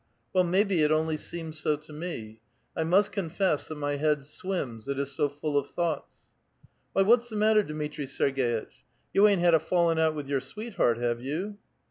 " Well, maybe it only seemed so to me. I must confess that my head swims, it is so full of thoughts." "Why, whafs the matter, Dmitri Serg^itch? You ain't had a fallin' out with 3'ou sweetheart, have you?"